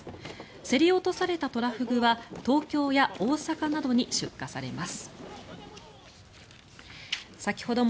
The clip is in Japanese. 競り落とされたトラフグは東京や大阪などに出荷されます。